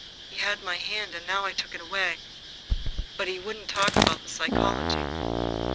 He had my hand, and now I took it away. But he wouldn't talk about the psychology.